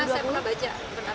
saya pernah baca